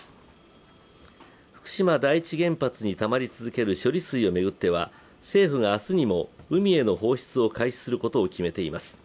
福島第一原発にたまり続ける処理水を巡っては、政府が明日にも海への放出を開始することを決めています。